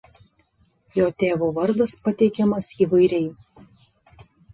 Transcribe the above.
Jo tėvo vardas pateikiamas įvairiai.